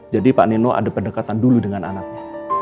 jadi pak nino ada pendekatan dulu dengan anaknya